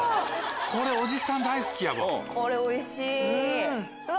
これおじさん大好きやわ。